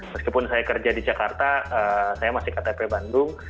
meskipun saya kerja di jakarta saya masih ktp bandung